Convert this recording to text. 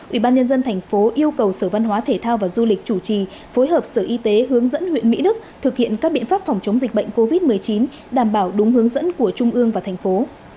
ủy ban nhân dân thành phố yêu cầu sở văn hóa thể thao và du lịch chủ trì phối hợp sở y tế hướng dẫn huyện mỹ đức thực hiện các biện pháp phòng chống dịch bệnh covid một mươi chín đảm bảo đúng hướng dẫn của trung ương và thành phố